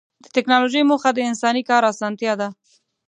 د ټکنالوجۍ موخه د انساني کار اسانتیا ده.